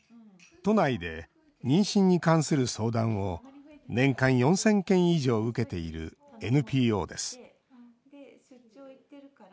都内で妊娠に関する相談を年間４０００件以上受けているＮＰＯです。